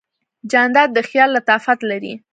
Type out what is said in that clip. جانداد د خیال لطافت لري.